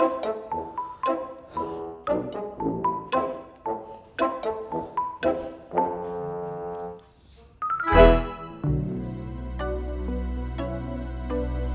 aduh yang marah marah di depan b